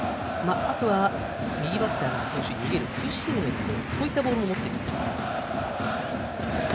あとは右バッターに逃げるツーシームのようなボールも持っています。